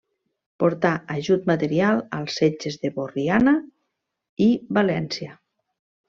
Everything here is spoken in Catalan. Portà ajut material als setges de Borriana i València.